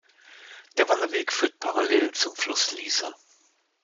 Der Wanderweg führt parallel zum Fluss Lieser.